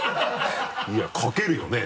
いやかけるよね？